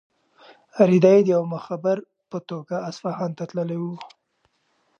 رېدی د یو مخبر په توګه اصفهان ته تللی و.